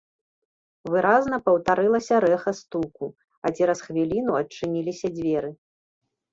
Выразна паўтарылася рэха стуку, а цераз хвіліну адчыніліся дзверы.